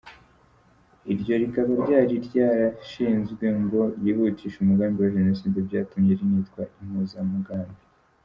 Iryo rikaba ryari ryarashinzwe ngo ryihutishe umugambi wa Jenoside byatumye rinitwa Impuzamugambi.